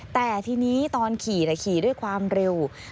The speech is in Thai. แต่ทีนี้ตอนขี่ขี่ด้วยความเร็ว